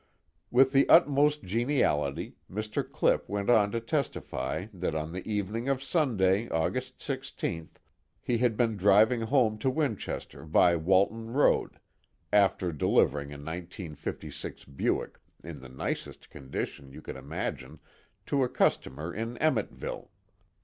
_ With the utmost geniality, Mr. Clipp went on to testify that on the evening of Sunday, August 16th, he had been driving home to Winchester by Walton Road, after delivering a 1956 Buick in the nicest condition you could imagine to a customer in Emmetville.